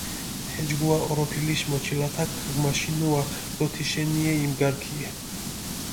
თეჯგუა ჸოროფილიშ მოჩილათაქ ქჷგმაშინუა დო თიშენიე იბგარქიე.